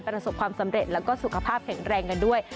ประสบความสำเร็จแล้วก็สุขภาพแข็งแรงกันด้วย